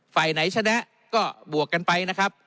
ฝ่ายไหนชนะก็บวกกันไปนะครับ